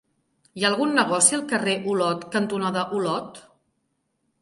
Hi ha algun negoci al carrer Olot cantonada Olot?